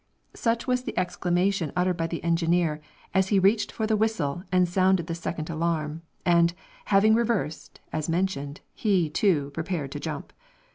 Such was the exclamation uttered by the engineer, as he reached for the whistle and sounded the second alarm, and, having reversed, as mentioned, he, too, prepared to jump.